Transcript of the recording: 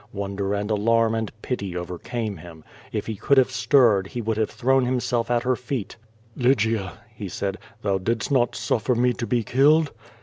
Wonder and alarm and pity overcame him. It he could have stirred he would have thrown himself at her feet. "Lygia," ho said, "thou didst not suffer me to be killed!"